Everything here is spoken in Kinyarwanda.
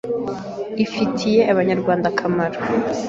ifi tiye Abanyarwanda akamaro.